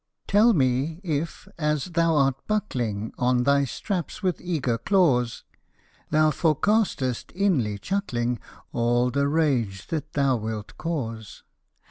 Tell me if, as thou art buckling On thy straps with eager claws, Thou forecastest, inly chuckling, All the rage that thou wilt cause.